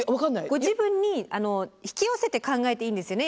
ご自分に引き寄せて考えていいんですよね？